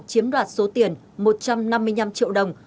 chiếm đoạt số tiền một trăm năm mươi năm triệu đồng